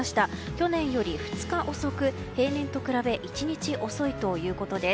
去年より２日遅く平年と比べ１日遅いということです。